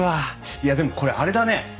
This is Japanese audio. いやでもこれあれだね。